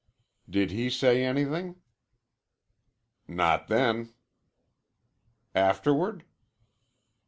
"Did he say anything?" "Not then." "Afterward?"